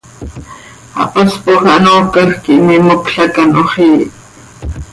Hapaspoj hanoocaj quih mimocl hac ano xiih.